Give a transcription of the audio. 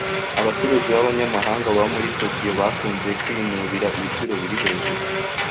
Abacuruzi b’abanyamahanga baba muri Tokiyo bakunze kwinubira ibiciro biri hejuru